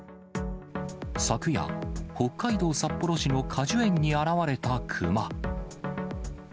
昨夜、北海道札幌市の果樹園に現れたクマ。